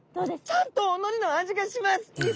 ちゃんとおのりの味がします！